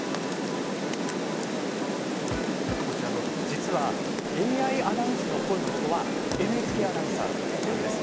実はＡＩアナウンスの声のもとはＮＨＫアナウンサーなんです。